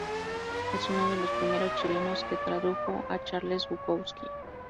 Es uno de los primeros chilenos que tradujo a Charles Bukowski.